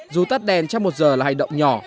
dù tắt đèn trong một giờ là hành động nhỏ